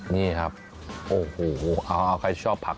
นี่ครับโอ้โหเอาใครชอบผัก